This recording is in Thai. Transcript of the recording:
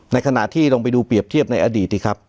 ในขณะที่ลองไปดูเปรียบเทียบในอดีตสิครับ